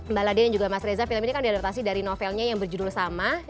mbak ladia dan juga mas reza film ini kan diadaptasi dari novelnya yang berjudul sama